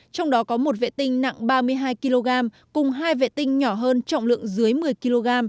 trong đó có một vệ tinh nặng ba mươi hai kg cùng hai vệ tinh nhỏ hơn trọng lượng dưới một mươi kg